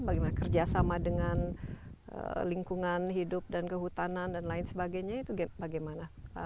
bagaimana kerjasama dengan lingkungan hidup dan kehutanan dan lain sebagainya itu bagaimana